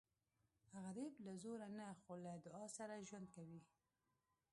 غریب له زوره نه خو له دعا سره ژوند کوي